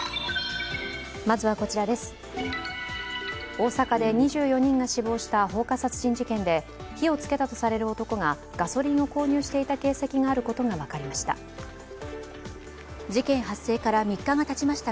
大阪で２４人が死亡した放火殺人事件で火をつけたとされる男がガソリンを購入していた形跡があることが分かりました。